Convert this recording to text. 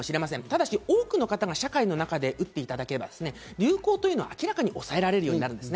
しかし多くの方が社会の中で打っていただければ、流行というのは明らかに抑えられるようになります。